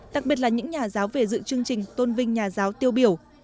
đặc biệt là những nhà giáo về dự chương trình tôn vinh nhà giáo tiêu biểu